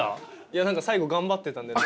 いや何か最後頑張ってたんで。